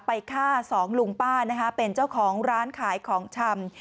ไปฆ่าสองลุงป้านะคะเป็นเจ้าของร้านขายของชำ